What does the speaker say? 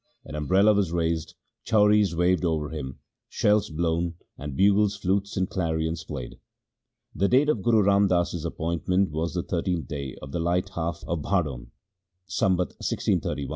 An umbrella was raised, chauris waved over him, shells blown, and bugles, flutes, and clarions played. The date of Guru Ram Das's appointment was the 13th day of the light half of Bhadon, Sambat 1631 (a.